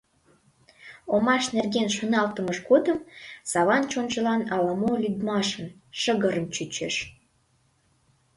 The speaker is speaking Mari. Омаш нерген шоналтымыж годым Саван чонжылан ала-мо лӱдмашын, шыгырын чучеш.